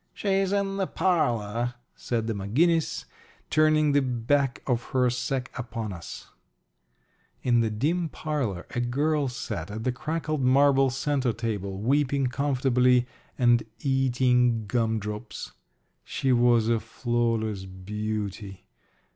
"She's in the parlor," said the McGinnis, turning the back of her sack upon us. In the dim parlor a girl sat at the cracked marble centre table weeping comfortably and eating gum drops. She was a flawless beauty.